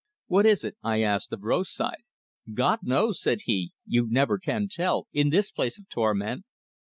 "What is it?" I asked, of Rosythe. "God knows," said he; "you never can tell, in this place of torment."